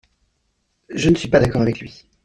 Je ne suis pas d’accord avec lui.